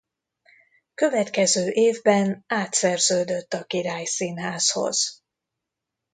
Következő évben átszerződött a Király Színházhoz.